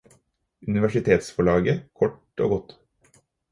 Universitetsforlaget: Kort og godt.